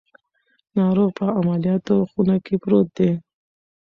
ناروغ په عملیاتو خونه کې پروت دی.